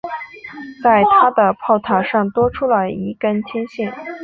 在它的炮塔上多出了一根天线。